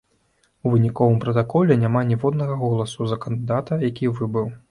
У выніковым пратаколе няма ніводнага голасу за кандыдата, які выбыў.